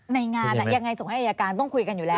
ในงานยังไงส่งให้อายการต้องคุยกันอยู่แล้ว